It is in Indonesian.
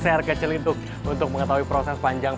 saya r k celintuk untuk mengetahui proses panjang